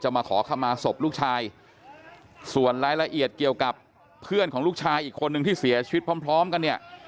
มาขอคำมาศพลูกชายส่วนรายละเอียดเกี่ยวกับเพื่อนของลูกชายอีกคนนึงที่เสียชีวิตพร้อมกันเนี่ย